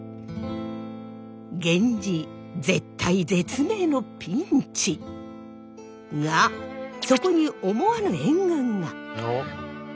源氏絶体絶命のピンチ！がそこに思わぬ援軍が。